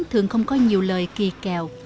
thường không có nhiều lời kỳ kẹo